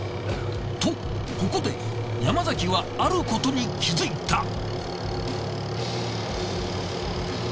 とここで山崎はあることに気づいた。